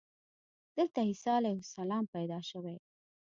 دلته عیسی علیه السلام پیدا شوی.